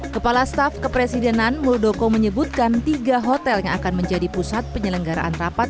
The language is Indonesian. kepala staf kepresidenan muldoko menyebutkan tiga hotel yang akan menjadi pusat penyelenggaraan rapat